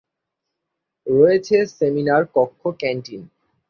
রয়েছে সেমিনার কক্ষ, ক্যান্টিন।